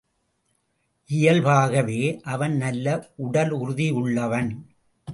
இயல்பாகவே அவன் நல்ல உடலுறுதியுள்ளவன்.